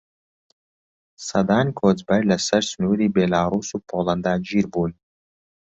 سەدان کۆچبەر لەسەر سنووری بیلاڕووس و پۆلەندا گیر بوون.